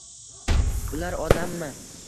— Bular... odammi?